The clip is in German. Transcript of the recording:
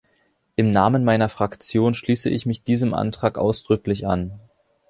Im Namen meiner Fraktion schließe ich mich diesem Antrag ausdrücklich an.